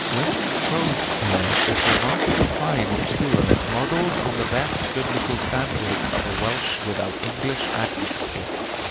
Wynne's prose style is remarkably fine and pure, modeled on the best Biblical standard of a Welsh without English admixture.